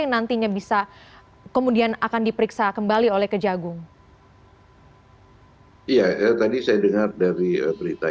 yang nantinya bisa kemudian akan diperiksa kembali oleh kejagung iya tadi saya dengar dari berita